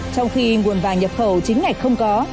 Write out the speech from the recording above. trong khi nguồn vàng nhập khẩu chính ngạch không có